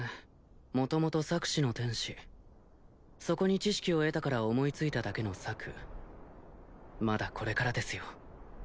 元々策士の天使そこに知識を得たから思いついただけの策まだこれからですよ